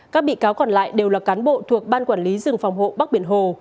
các bị cáo còn lại đều là cán bộ thuộc ban quản lý rừng phòng hộ bắc biển hồ